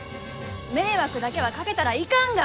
迷惑だけはかけたらいかんが！